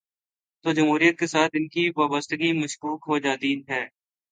تو جمہوریت کے ساتھ ان کی وابستگی مشکوک ہو جا تی ہے۔